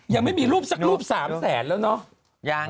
ยังไม่มีรูปสักรูป๓แสนแล้วเนาะ